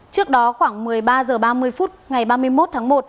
trước đó khoảng một mươi ba h ba mươi phút ngày ba mươi một tháng một